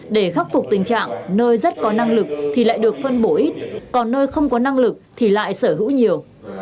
để khắc phục tình trạng nơi rất có năng lực thì lại được phân bổ ít còn nơi không có năng lực thì lại sở hữu nhiều